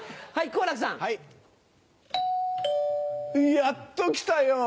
やっと来たよ。